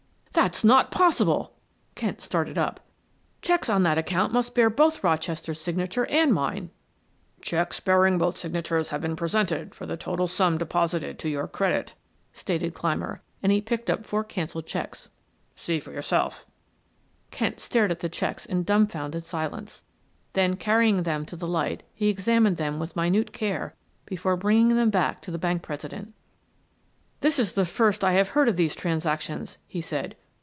"That's not possible!" Kent started up. "Checks on that account must bear both Rochester's signature and mine." "Checks bearing both signatures have been presented for the total sum deposited to your credit," stated Clymer and he picked up four canceled checks. "See for yourself." Kent stared at the checks in dumbfounded silence; then carrying them to the light he examined them with minute care before bringing them back to the bank president. "This is the first I have heard of these transactions," he said.